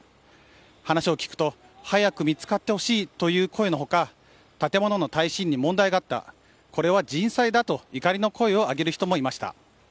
話を聞くと、早く見つかってほしいという声のほか、建物の耐震に問題があった、これは人災だと怒りの声を上げる人もいました。